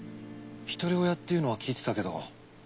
一人親っていうのは聞いてたけど。